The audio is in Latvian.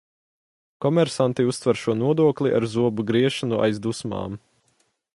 Komersanti uztver šo nodokli ar zobu griešanu aiz dusmām.